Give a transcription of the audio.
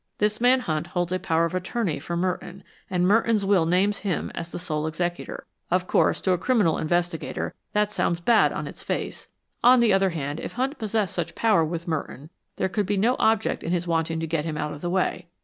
This man Hunt holds a power of attorney from Merton, and Merton's will names him as sole executor, Of course, to a criminal investigator that sounds bad on its face. On the other hand, if Hunt possessed such power with Merton there could be no object in his wanting to get him out of the way.